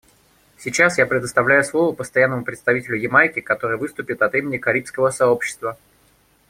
Сейчас я предоставляю слово Постоянному представителю Ямайки, который выступит от имени Карибского сообщества.